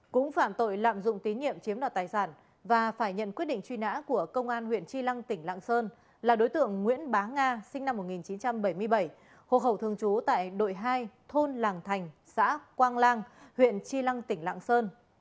cũng phạm tội lạm dụng tín nhiệm chiếm đoạt tài sản và phải nhận quyết định truy nã của công an huyện tri lăng tỉnh lạng sơn là đối tượng nguyễn bá nga sinh năm một nghìn chín trăm bảy mươi bảy hộ khẩu thường trú tại đội hai thôn làng thành xã quang lang huyện chi lăng tỉnh lạng sơn